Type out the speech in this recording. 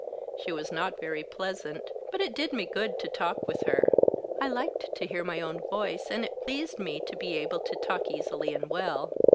She was not very pleasant, but it did me good to talk with her; I liked to hear my own voice and it pleased me to be able to talk easily and well.